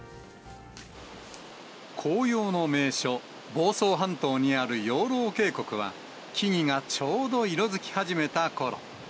紅葉の名所、房総半島にある養老渓谷は、木々がちょうど色づき始めたころ。